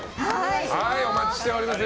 お待ちしております。